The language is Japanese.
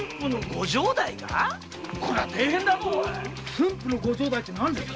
駿府のご城代って何ですか？